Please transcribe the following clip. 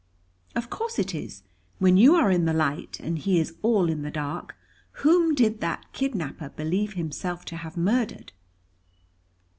"Of course it is; when you are in the light, and he is all in the dark. Whom did that kidnapper believe himself to have murdered?"